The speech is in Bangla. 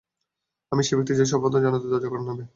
আমিই সে ব্যক্তি যে সর্বপ্রথম জান্নাতের দরজার কড়া নাড়বে।